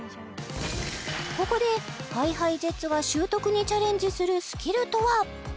ここでＨｉＨｉＪｅｔｓが習得にチャレンジするスキルとは？